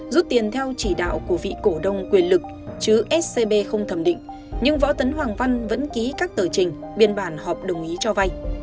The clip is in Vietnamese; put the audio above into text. rút tiền theo chỉ đạo của vị cổ đông quyền lực chứ scb không thẩm định nhưng võ tấn hoàng văn vẫn ký các tờ trình biên bản họp đồng ý cho vay